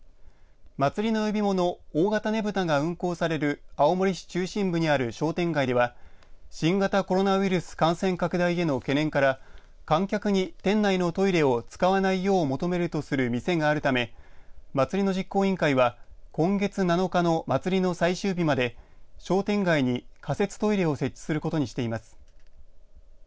祭りの呼び物大型ねぶたが運行される青森市中心部にある商店街では新型コロナウイルス感染拡大への懸念から観客に店内のトイレを使わないよう求めるとする店があるため祭りの実行委員会は今月７日の祭りの最終日まで商店街に仮設トイレを設置することにしています。